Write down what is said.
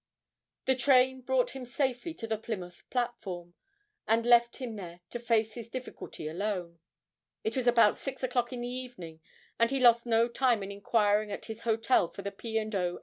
The train brought him safely to the Plymouth platform, and left him there to face his difficulty alone. It was about six o'clock in the evening, and he lost no time in inquiring at his hotel for the P. and O.